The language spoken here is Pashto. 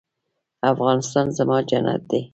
افغانستان زما جنت دی؟